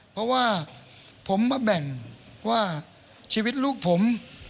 เพราะว่าผมมาแบ่งว่าชีวิตลูกผม